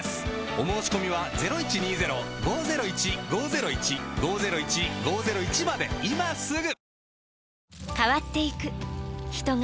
お申込みは今すぐ！